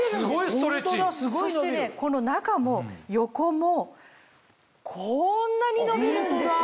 そしてねこの中も横もこんなに伸びるんですよ。